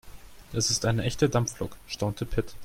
Das ist eine echte Dampflok, staunte Pit.